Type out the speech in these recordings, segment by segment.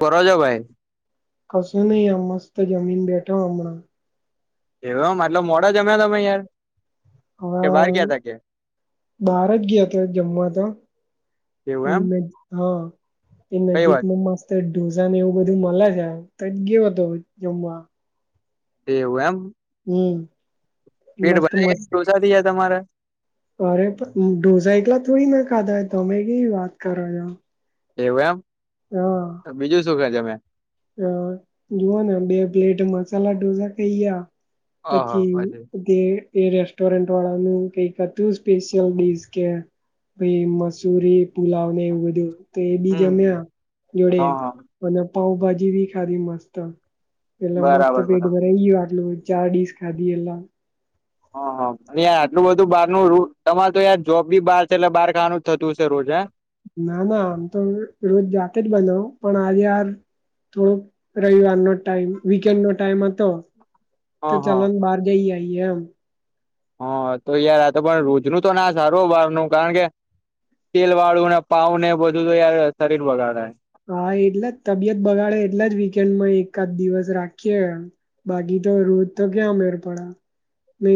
[unintelligible] ભાઈ. કસુ નહી આ મસ્ત જમીન બેઠા હમણા. એવ મતલબ મોડા જમ્યા તમે યાર કે બહાર હા ગયા તા કે બાર જ ગ્યા તા જમવા તો. એવું એમ અહી હા એ કઈ વાત નજીકમાં મસ્ત ઢોસા ને એવું બધું મલે છે, તો જ ગ્યો હતો જમવા. એવું એમ. હમ્મ. પેટ ભરા એક ઢોસાથી યાર તમારે. અરે પણ ઢોસા એકલા થોડી ને ખાધા તમે કેવી વાત કરો છો. એવું એમ, બીજું શું ક જમ્યા. હ જુવોને બે પ્લેટ મસાલા ઢોસા ખઈ ગ્યા પછી તે એ રેસ્ટોરન્ન્ટ વાળાનું કઈ હતું સ્પેશિયલ ડિશ કે એ મસૂરી પુલાવ ને એવું બધું તો એ બી હમ જમ્યા હ જોડે હ અને પાઉભા જી બી ખાધી મસ્ત પેલા મસ્ત બરાબર પેટ બરાબર ભરાઈ ગયુ આટલે હું ચારડીઝ ખાધી એલા. હ હ આટલું બધું બારનું ર તમારે તો જોબ બી બહાર છે એટલે બહાર ખાવાનું જ થતું છે રોજ હે. ના ના આમ તો રોજ જાતે જ બનાઉ પણ આજે યાર થોડુંક રવિવારનો ટાઈમ વીકેન્ડ નો ટાઈમ હતો હ તો હ ચલોન બહાર જઈ આઈ એ એમ. હા તો યાર આ તો પણ રોજનું તો ના સારું બારનું કારણ કે તેલ વાળું ને પાઉ ને એ બધું તો યાર શરીર બગાડે. હા એટલા જ તબિયત બગાડે એટલા જ વીકેન્ડમાં એકાદ દિવસ રાખીએ બાકી તો રોજ તો ક્યાં મેળ પડે.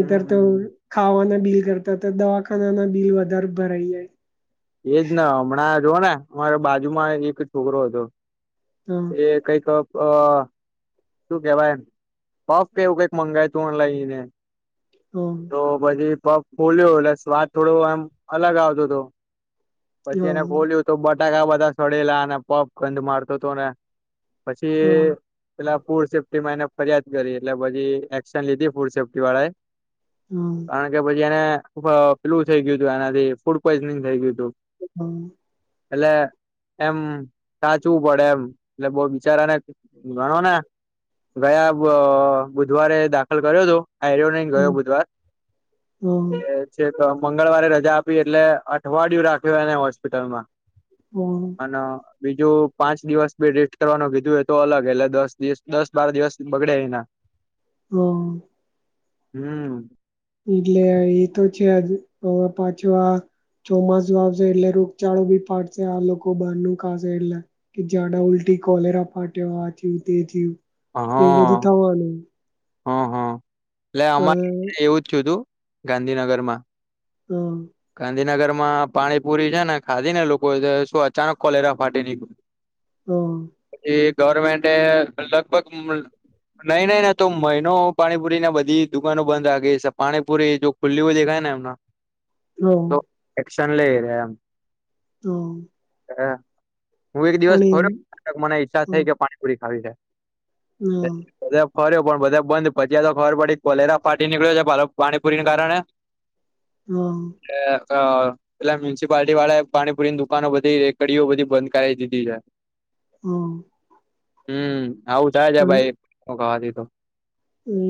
હમ તો હમ ખાવાના બિલ કરતા તો દવાખાના ના બિલ વધારે ભરાઈ જાય. એજ ને હમણાં જોઓ ને અમારે બાજુમાં એક છોકરો હતો. હા એ કઈક. અ શું કેવાય પફ કેવું કઈક મંગાય તું લઈને. હા તો પછી પપ ખોલ્યો એટલે સ્વાદ થોડો એમ અલગ આવતો હતો. પછી હા એને ખોલ્યું તો બટાકા બધા સડેલા અને પપ ગંધ મારતો હતો ને. પછી હા પેલા. ફૂડ સેફ્ટી માં એને ફરિયાદ કરી એટલે પછી એક્શન લીધી ફૂડ સેફ્ટી વાળા એ. કારણ કે પછી એને પ્લુ થઇ ગયું હતું એનાથી ફૂડ પોઈઝનિંગ થઇ ગયુંું. હમ. એલા. એમ સાચવું પડે એમ એટલે બહ બિચારાને ગણો ને. ગયા બુધવારે દાખલ કર્યો હતો. આર્યો ન ગયો હમ બુધવાર. હા મંગળવારે રજા આપી એટલે અઠવાડિયું રાખ્યું એને હોસ્પિટલમાં. હા અને બીજું. પાંચ દિવસ બી રેસ્ટ્ટ કરવાનું કીધું એય તો અલગ એટલે દસ દિવસ દસ બાર દિવસ બગડે એના. હમ. હમ. એટલે એ તો છેજ હવે પાછો આ. ચોમાસું વાશે એટલે રોગચાળો બી પાડશે આ લોકો બહાર ન. એલા કે જાડા ઉલ્ટટી કોલેરા ફાટ આ થયું તે થયું. હા એ બધું થવાનું. હા હા એટલે અ અમારે અ એવું જ થું તું ગાંધીનગરમાં. હા. ગાંધીનગર માં પાણીપુરી છે ને ખાધી ને લોકો શું અચાનક કોલેરા ફાટી ની. હમ. ગવર્મેન્ટે લગભગ નહી નહી ના તો મહિનો પાણીપુરીને બધી દુકાનો બંધ રાે છે પાણીપુરી જો ખુલ્લી હોય દેખાય ને એમના હું શન લઈ રહ્યા એમ. તો. હ હું એક દિવસ ખોર મને ઈચ્છા થઈ કે પાણીપુરી ખાવી છેાય. હમ. ફર્યો પણ બધા બંધ પચયા તો ખબર પડી કોલેરા ફાટી નીકળ્યો છે પાણીપુરીને કારણે. હા. અ એટલે મ્યુનિસિપાલટી વાળા પાણીપુરીની દુકાનો બધી એક કડીઓ બધી બંધ કરીાવી દીધી છે. હા. હમ આવું થાય છે ભાઈ ખાવાથી તો.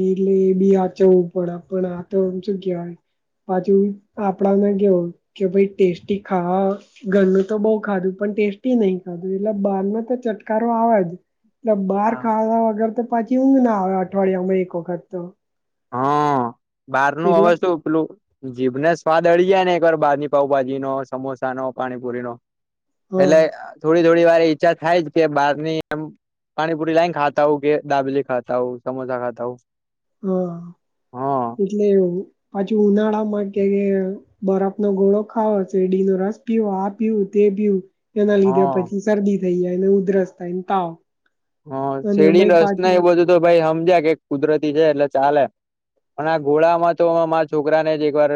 એટલે એ બી આચરવું પડે પણ આ તો એમ શું કવાય. પાછુ આપડાને કેવ કે ભાઈ ટેસ્ટી ખાવા ઘરનું તો બઉ ખાધું પ. ટેસ્ટી નહી ખાધું એટલે બારમાં તો ચટકારો આવા જ. એ બહાર ખાવા વગર તો પાછી ઊઘ ના આવે અઠવાડિયામાં એક વખત તો. હા બાર નું એટલે અવાજું ઉપેલું. જીભને સ્વાદ અળી જાય ને એક વાર બાારની પાઉભાજી નો સમોસા નો પાણીપુરી નો હા એટલે થોડી થોડી વાર ઈચ્છા થાય જ કે બારની એમ. પાણીપુરી લાઈને ખાતા હો કે દાબલી ખાતા હોઉ સમોસા ખાતા હોઉ. [unintelligible] હા હા એટલે. પછી ઉનાળામાં કે બરફનો ઘોળો ખાવો શેડી નો રસ પીવો આ પીવું તે પી એના લીધે હા પછી શરદી થઈ જાયને ઉધરસ થાય તાવ. હા અને શેડીને એમાંય રસના પાછું એ બધું તો ભાઈ સમજ્યા કે કુદરતી છે એટલે ચાલે. પણ આ ઘોળા માં તો મારા છોકરાને જ એકવાર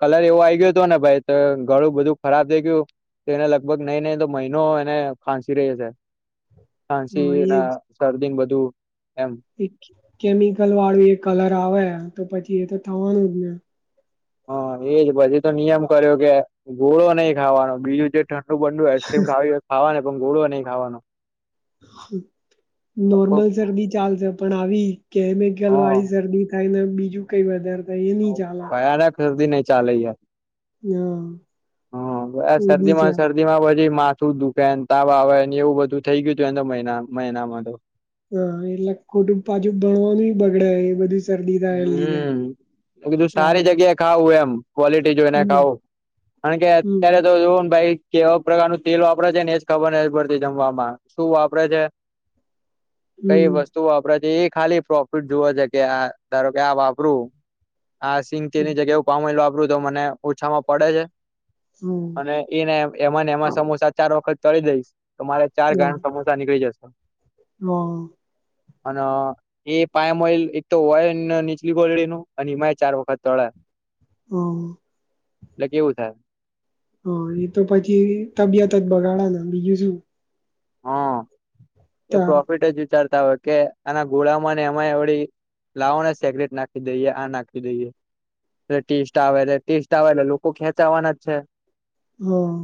કલર એવો આઈ ગયો હતો ને ભાઈ ગળું બધું ખરાબ થઇ ગયું. તો એને લગભગ નહી નહી તો મહિનો એને ખાસી રહ્ છે. ખાંસી હા ના શરદી બધું એમ કેમિકલ વાળું એ કલર આવે તો પછી એ તો થવાનું જ ને. [unintelligible] ઠંડુ બંડું આઈસક્રીમ ખાવી હોય ખાવાનો પણ ગોળો નઈ ખાવાનો. હા. નોર્મલ શરદી ચાલશે પણ આવી કેમિકલ વાળી હા શરદી થાય ને [unintelligible] હલ્દી નહીં ચાલે હા એ બી શરદીમાં છે ને શરદીમાં પછી ને માથું દુખે ને તાવ આવે ને એવું બધું થઇ ગયું હતું એ મહિના મહિનામાં તો હા એટલે ખોટું પાછું ભણવાનું બગડે એ બધું શરદી થાય એ લીધે હમમ. તારે [unintelligible] ક્વોલિટી જોઈને હમ ખાવું [unintelligible] કે એવા પ્રકારનું તેલ વાપરે છે ને એજ ખબર નથી પડતી જમવામાં શું વાપરે છે. કઈ વસ્તુ વાપરા છે એ ખાલી પ્રોફિટ જોવે છે કે આ ધા હ, [unintelligible] અને એને એમાં ને એમાં સમોસા ચાર વખત તળી દઈશ. તો મારે ચાર ગરમ સમોસા નીકળી જશે. હા અને એ પાયામ ઓઈલ એક તો ના નીચલી ગોળડી ન એનેમાંય ચાર વખત તોડા હા કેવું થાય હા એ તો પછી તબિયત જ બગાડાના બીજું શું હા એ તાર પ્રોફિટ જ વિચારતા હોય કે આના ગોળામાંને એમાં એવડી લાાવો ને સિગરેટ નાખી દઈએ આ નાખી દઈએ એટલે ટેસ્ટ આવે ટેસ્ટ આવે એટલે લોકો ખેંચાવાના જ છે. હા.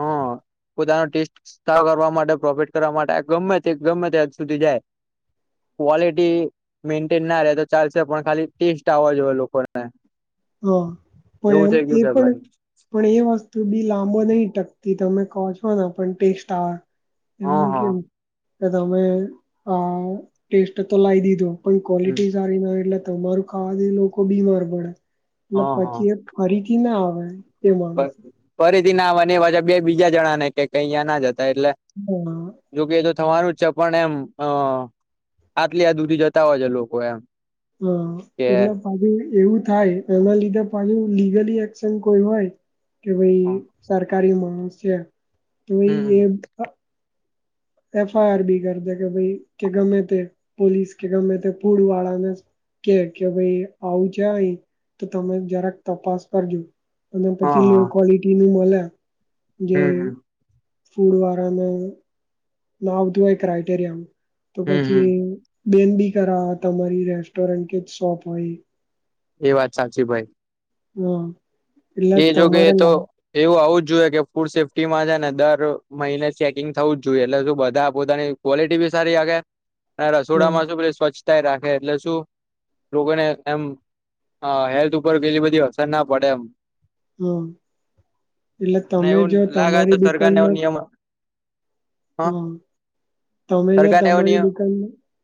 હા પોતાનો ટેસ્ટ સારો કરવા માટે પ્રોફિટ કરવા માટે ગમે તે ગમે ત્યાજ સુધી જાય. ક્વલિટી મેન્ટેન ના રહેે તો ચાલશે પણ ખાલી ટેસ્ટ આવ જો હોય લોકોને હા પણ એવું એમ થઈ ગયું એ છે પણ ભાઈ પણ એ વસ્તુ બી લાંબો નહી ટક તમે કહો છો ને પણ ટેસ્ટ આવે હા એમાં હા કેવું કે તમે આ ટેસ્ટ તો લાવ દીધું પણ હમ ક્વોલિટી સારી ન એટલે મારું ખાવાનું એ લોકો બીમાર પડે એટલે હા હા પછી એ ફરીથી ના આવે. એ માણસ ફરીથી નાવાને એ પાછા બે બીજા જણા ને કે કઈ અયા ના જતા એટલે હા જોકે અગ થવાનું જ છે પણ એમ અ આટલી હદ સુધી જતા હોય છે લોકો એમ હમમ કે એલે પદી એવું થાય ને [unintelligible] તારી મારી છે તો એ હમ [unintelligible] એફઆઈઆર બી કરી દે કે ભાઈ કે ગમે તે કે કે ભાઈ આવું છે અહી તો તમે જરાક તપાસ કરજો. અને હા પછી લો હા ક્વલિટી નું મળ્યા જે હમ હમ ફૂડ વાળાને ના આવતું હોય ક્રાઈટેરિયા તો હમ હમ પછી બેન બી કરા તમારી રેસ્ટોરન્ટ કે જ શોપ હોય એ વાત સાચી ભાઈ હમ એ જોગે તો એવું આવું જ ફૂડ સેફ્ટીમાં છે ને દર મહિને ચેકિંગ થવું જ જોઈએ એટલે શું બધા પોતાની ક્વલિટી સારી આે અને હમ રસોડામાં શ પ સ્વચ્છતા રાખે એટલે શું લોકોને એમ હેલ્થ ઉપર કેટલી બધી અસર ના પડે એમ હમ એટલે ના તમે એવું જો લાગ તો તમારી સરકારને એવ દુકાનમાં નિયમ હ હા તમે જે સરકારને એવો તમારી નિયમ દીકલ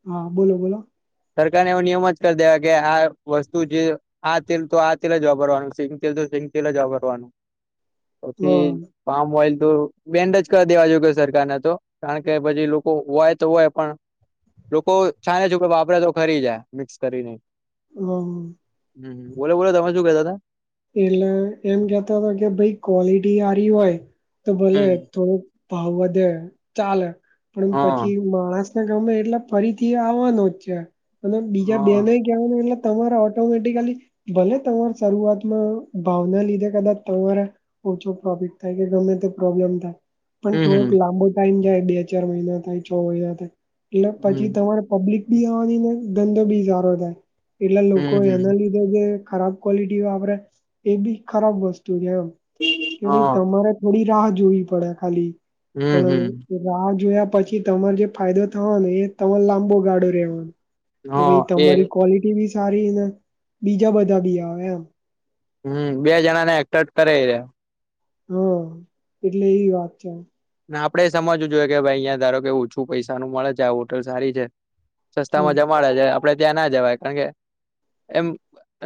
હા બોલો બોલો સરકારને એવો નિયમ જ કરી દેવા કે આ વસ્તુ જે આ તેલ તો આ તેલ જ વાપરવાનું છે સીંગ તેલ જ વાપરવાનું પછી હા પામ ઓલ બેન્ડજ કરી દેવા જો કે સરકારને તો કારણ કે પછી લોકો હોય તો હોય પણ લોકો છાને છેુ કે વાપરે તો ખરી જાય મિક્સ કરીને હા હ બોલો બોલો તમે શું કેતા તા એટલે એમ કેતા હતા કે ભાઈ ક્વોલિટી સારી હોય તો ભલે હમ થોડુંક ભાવ વધે ચાલે પણ હા પછી માણસ ગમે એટલે ફરીથી આવવાનો જ છે અને બીજા હા બેને કવાનું એટલે તમારા ઓટોમેટિકલી ભલે તમા શરૂઆત ભાવના લીધે કદાચ તમારા ઓછો પ્રોફિક થાય કે ગમે તે પ્રોબ્લેમ થાય પણ હમ થોડોક હમ લાંબો ટાઈમ જાય બે ચાર મહિના થાય છ મહિના થાય એટલે પછી હમ તમારે પબ્લિક બી આવવાની ને ધંધો બી સારો થાય એટલા લોકો હમ એના હમ લીધે જે ખરાબ ક્વોલિટી વાપરે એ બી ખરાબ વસ્તુ જેમ કે ભાઈ હા તમારે થોડી રાહ જોવી પડે ખાલી હમ હમ પણ રાહ જોયા પછી તમારે જે ફાયદો થવા ને એ તમાર લાંબો [inaudible] કે હા ભાઈ એ તમારી ક્વોલિટી બી સારી બીજા બધા બી આવે એમ હમમ બે જણા ને એક્ટ કરે હો, એટલે એવી વાત છે. ને આપડે સમજવું જોઈએ કે ભાઈ અહંયા ધારો કે ઓછું પૈસા નુ મળે છે, આ હોટલ સારી છે. હા સસ્તામાં જમાડે છે આપડે ત્યાં ના જવાય કારણ કે એમ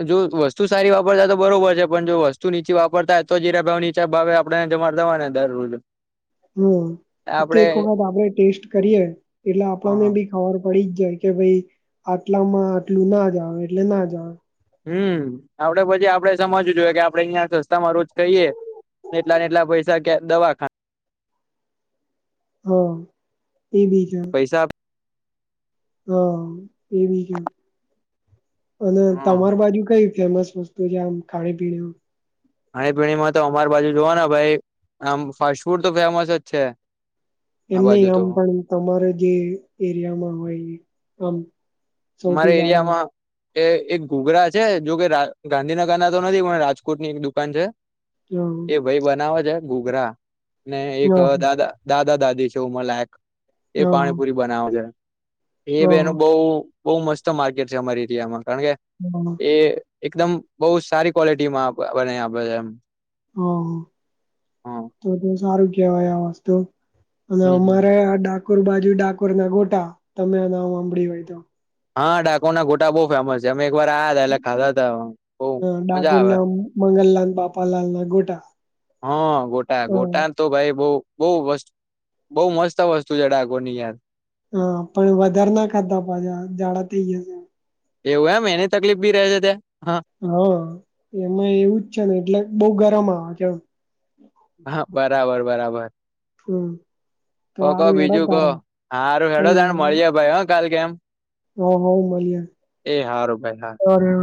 જો વસ્તુ સારી વાપરતા તો બરોબર છે, પણ જો વસ્તુ નીચી વાપરતા હો તો જીરા ભાવ ની ચા ભાવે આપડે જમા દવા ને દરરોજ હમ તો આપડે એક વખત આપડે ટેસ્ટ કરીએ એટલે આપણને હા બી [inaudible] પડી જ જાય કે ભાઈ આટલામાં આટલું ના જાાવ એટલે ના જાવ હુંઆપડે પછી આપડે સમજવું જોઈએ કે આપડે અહિયાં સસ્તામાં રોજ ખાઈએ એટલા ને એટલા પૈસા કે દવાખા હા એ બીજ પૈસા હા એ બી છે અને તમાર ખાણી બાજુ કઈ ફેમસ સસ્તો જામ ખાણે પીને ખાણીપીણીમાં તો અમારી બાજુ જોવા ને ભાઈ આમ ફાસ્ટ ફૂડ તો ફેમસ જ છે આ એમ નહી બાજુ તો આમ પણ તમારે જે એરિયામાં હોય આમ અમારે સૌથી સારું એરિયામાં એ એક [inaudible] છે જો કે ગાંધીનગર ના તો નથી કો રાજકોટની એક દુકાન છે હોય? એ ભાઈ બનાવે છે ઘુઘરા ને હ હ એક હ દાદા દાદ દાદા દાદી છે ઉમર લાયક એ પાણીપુરી બનાવ છે હ એ બેનું બહ બહ મસ્ત માર્કેટ છે અમારી એરિયામાં કારણ કે એ એકદમ બહુ સારી ક્વોલિટીમાં બને આપે છે એમ હ હા તો તો સારું કેહેવાય આ વસ્તુ અને હમ હમ અમારે આ ડાકોર બાજુ ડાકોર ના ગોટા તમે નામ હાંબડિયું હોય તો, હા ડાકો ના ઘોટા બહુ ફેમસ છે. અમે એક વાર આયાતા ખાધા તા બહુ મજા આવે બાપા લાલ ના ગોટા હા ગોટા હમ ગોટા તો ભાઈ બૌ બહુ વસ્ત બહુ મસ્ત વસ્તુ છે, ડાકોર ની યાર હા પણ વધારે ના ખાતા પાછા જાડા થઈ જયા છે. એવું એમ, એની તકલીફ બી રહે છે ત્યાં? હા હા એમાં એવુંજ છે ને એટલે બહુ ગરમ આવ ક્યાં હા બરાબર બરાબર. હમ તો કો કો હારું હેડો બીજું કો, તારે હારું હેડો તને મળીયે ભાઈ હ કાલ કેમ. હા હ મલીએ, એ હારું ભાઈ હારું અરે